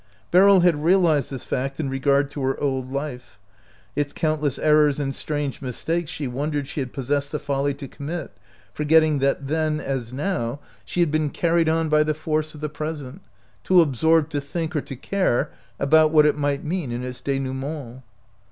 Beryl had realized this fact in regard to her old life. Its countless errors and strange mistakes she wondered she had possessed the, folly to commit, forgetting that then, as now, she 66 OUT OF BOHEMIA •had been carried on by the force of the present, too absorbed to think or to care about what it might mean in its denouement.